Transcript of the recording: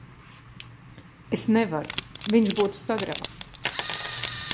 Es nevaru. Viņš būtu sagrauts.